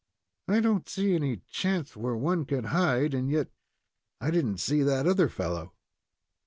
"I do n't see any chance where one could hide, and yet I did n't see that other fellow."